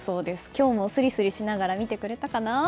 今日もすりすりしながら見てくれたかな？